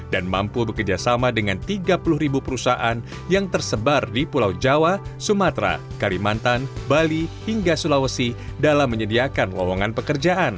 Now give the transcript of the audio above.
dan mampu bekerjasama dengan tiga puluh ribu perusahaan yang tersebar di pulau jawa sumatera kalimantan bali hingga sulawesi dalam menyediakan lowongan pekerjaan